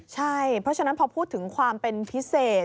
ใช่เพราะฉะนั้นพอพูดถึงความเป็นพิเศษ